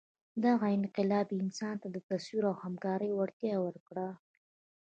دغه انقلاب انسان ته د تصور او همکارۍ وړتیا ورکړه.